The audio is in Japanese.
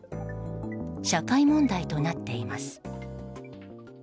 社会問題となっています。